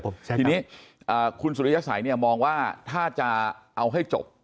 ครับผมทีนี้อ่าคุณสุริยศัยเนี้ยมองว่าถ้าจะเอาให้จบ